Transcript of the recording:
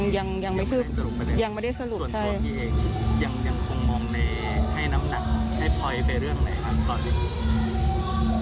ส่วนตัวพี่เองยังคงมองในให้น้ำหนักให้พลอยไปเรื่องไหนครับก่อน